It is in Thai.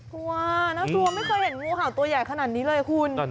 กลัวน่ากลัวไม่เคยเห็นงูเห่าตัวใหญ่ขนาดนี้เลยคุณ